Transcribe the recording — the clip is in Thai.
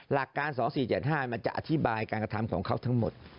หลักการ๒๔๗๕มันจะอธิบายการกระทำของเขาทั้งหมด